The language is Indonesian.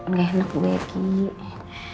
nggak enak gue kiki